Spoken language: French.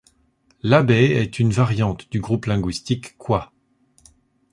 L'abbey est une variante du groupe linguistique Kwa.